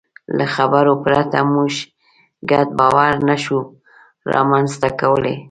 له خبرو پرته موږ ګډ باور نهشو رامنځ ته کولی.